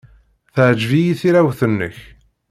Teɛjeb-iyi tirawt-nnek.